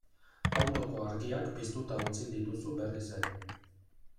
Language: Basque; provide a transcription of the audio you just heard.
Autoko argiak piztuta utzi dituzu berriz ere.